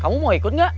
kamu mau ikut enggak